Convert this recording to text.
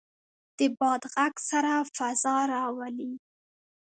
د باد غږ سړه فضا راولي.